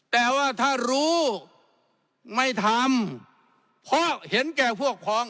แต่ว่าถ้ารู้ไม่ทำเพราะเห็นแก่พวกพอง